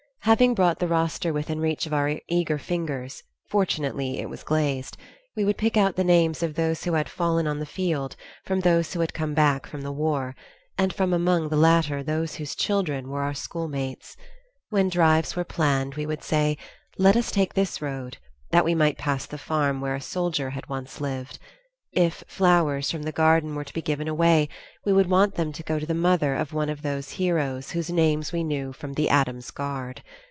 Having brought the roster within reach of our eager fingers, fortunately it was glazed, we would pick out the names of those who "had fallen on the field" from those who "had come back from the war," and from among the latter those whose children were our schoolmates. When drives were planned, we would say, "Let us take this road," that we might pass the farm where a soldier had once lived; if flowers from the garden were to be given away, we would want them to go to the mother of one of those heroes whose names we knew from the "Addams' Guard."